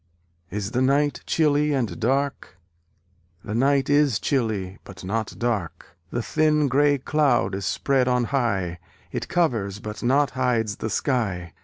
Is the night chilly and dark? The night is chilly, but not dark. The thin gray cloud is spread on high, It covers but not hides the sky.